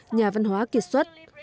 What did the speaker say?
nhà văn hóa kiệt xuất